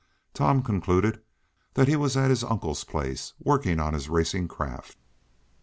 Tom concluded that he was at his uncle's place, working on his racing craft.